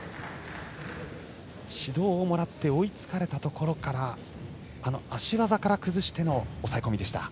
指導をもらって追いつかれたところからあの足技から崩しての抑え込みでした。